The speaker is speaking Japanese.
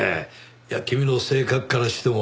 いや君の性格からしても。